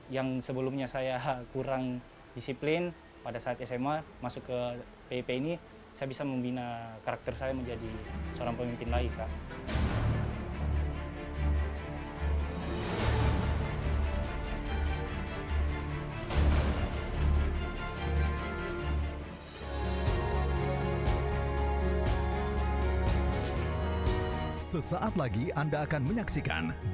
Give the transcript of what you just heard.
yang sebelumnya saya kurang disiplin pada saat sma masuk ke pp ini saya bisa membina karakter saya menjadi seorang pemimpin lagi kak